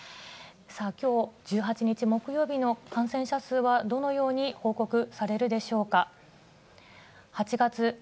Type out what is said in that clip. さあ、きょう１８日木曜日の感染者数はどのように報告されるでしょうか。